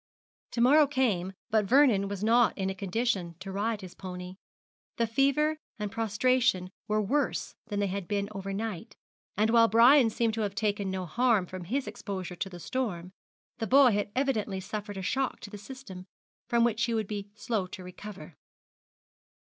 To morrow came, but Vernon was not in a condition to ride his pony. The fever and prostration were worse than they had been over night, and while Brian seemed to have taken no harm from his exposure to the storm, the boy had evidently suffered a shock to the system, from which he would be slow to recover.